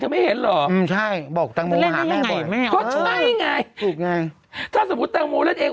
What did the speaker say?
เธอไม่เห็นเหรออืมใช่บอกแตงโมใช่ไงถูกไงถ้าสมมติแตงโมเล่นเอง